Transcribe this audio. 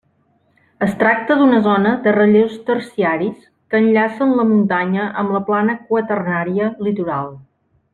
Es tracta d'una zona de relleus terciaris que enllacen la muntanya amb la plana quaternària litoral.